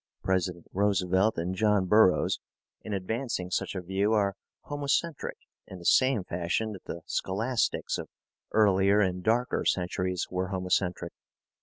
President Roosevelt and John Burroughs, in advancing such a view, are homocentric in the same fashion that the scholastics of earlier and darker centuries were homocentric.